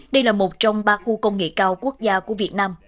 đây là một trong ba khu công nghệ cao quốc gia của việt nam